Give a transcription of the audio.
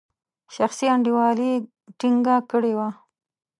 شخصي انډیوالي ټینګه کړې وه.